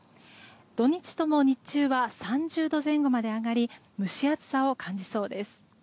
土日とも日中は３０度前後まで上がり蒸し暑さを感じそうです。